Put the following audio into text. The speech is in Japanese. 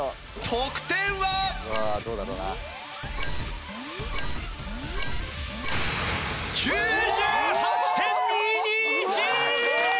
得点は！？９８．２２１！